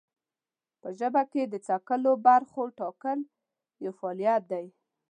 په ژبه کې د څکلو برخو ټاکل یو فعالیت دی.